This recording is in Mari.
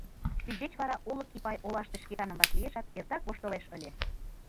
Тиддеч вара Олык Ипай олаште Шкетаным вашлиешат, эртак воштылеш ыле: